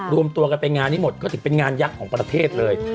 รวมตัวกันไปงานนี้หมดก็ถือเป็นงานยักษ์ของประเทศเลย